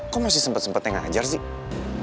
kok masih sempet sempetnya ngajar sih